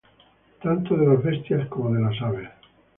Tanto de las bestias como de las aves.